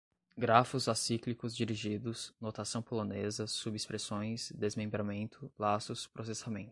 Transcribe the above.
grafos acíclicos dirigidos, notação polonesa, subexpressões, desmembramento, laços, processamento